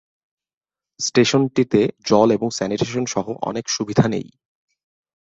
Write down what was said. স্টেশনটিতে জল এবং স্যানিটেশন সহ অনেক সুবিধা নেই।